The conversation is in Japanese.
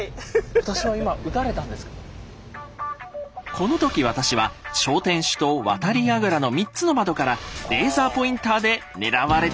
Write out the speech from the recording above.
この時私は小天守と渡櫓の３つの窓からレーザーポインターで狙われていたんです。